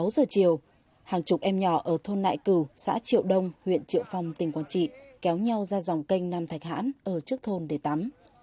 sáu giờ chiều hàng chục em nhỏ ở thôn nại cử xã triệu đông huyện triệu phong tỉnh quảng trị kéo nhau ra dòng canh nam thạch hãn ở trước thôn để tắm